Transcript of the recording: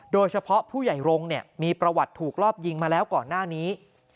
โดยเฉพาะผู้ใหญ่รงค์มีประวัติถูกรอบยิงมาแล้วก่อนหน้านี้